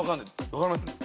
分かります？